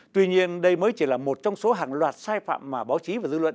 tuy nhiên đây mới chỉ là một trong số hàng loạt sai phạm mà báo chí và dư luận